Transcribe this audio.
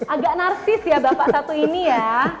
agak narsis ya bapak satu ini ya